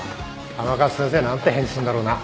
甘春先生何て返事すんだろうな。